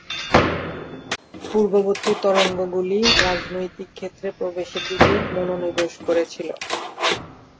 পূর্ববর্তী তরঙ্গগুলি রাজনৈতিক ক্ষেত্রে প্রবেশের দিকে মনোনিবেশ করেছিল।